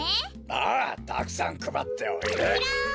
ああたくさんくばっておいで。